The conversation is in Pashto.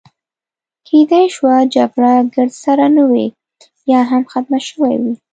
کیدای شوه جګړه ګرد سره نه وي، یا هم ختمه شوې وي.